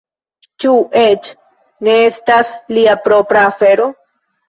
Ĉu eĉ ne estas lia propra afero?